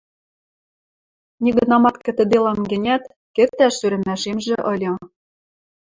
Нигынамат кӹтӹделам гӹнят, кӹтӓш сӧрӹмӓшемжӹ ыльы.